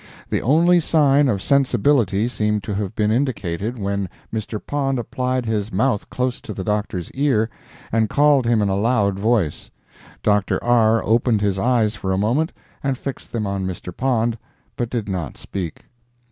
The only sign of sensibility seemed to have been indicated when Mr. Pond applied his mouth close to the Doctor's ear, and called him in a loud voice. Dr. R. opened his eyes for a moment, and fixed them on Mr. Pond, but did not speak.